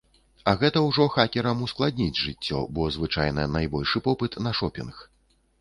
А гэта ўжо хакерам ускладніць жыццё, бо звычайна найбольшы попыт на шопінг.